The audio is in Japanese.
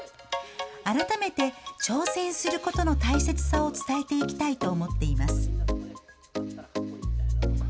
改めて、挑戦することの大切さを伝えていきたいと思っています。